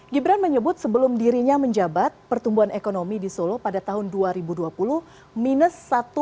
gibran menyebut sebelum dirinya menjabat pertumbuhan ekonomi di solo pada tahun dua ribu dua puluh minus satu